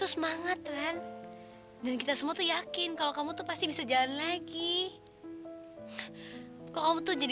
semangat ran dan kita semua yakin kalau kamu tuh pasti bisa jalan lagi kok kamu tuh jadi